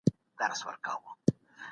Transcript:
په کورنۍ کې د چا زړه نه ماتول کېږي.